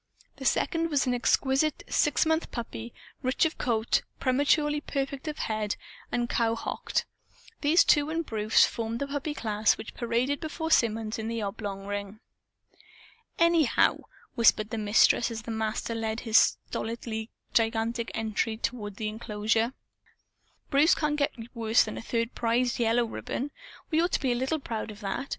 The second was an exquisite six months puppy, rich of coat, prematurely perfect of head, and cowhocked. These two and Bruce formed the puppy class which paraded before Symonds in the oblong ring. "Anyhow," whispered the Mistress as the Master led his stolidly gigantic entry toward the enclosure, "Bruce can't get worse than a third prize yellow ribbon. We ought to be a little proud of that.